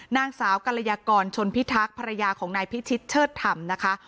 นางสาวกรยากรชนพิทักษ์ภรรยาของนายพิชิตเชิดธรรมนะคะ